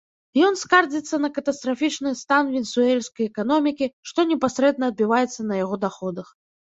Ён скардзіцца на катастрафічны стан венесуэльскай эканомікі, што непасрэдна адбіваецца на яго даходах.